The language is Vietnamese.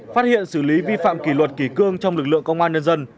phát hiện xử lý vi phạm kỷ luật kỷ cương trong lực lượng công an nhân dân